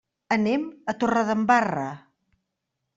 Anem a Torredembarra.